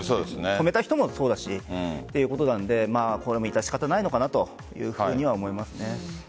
止めた人もそうだしということなので致し方ないのかなというふうに思います。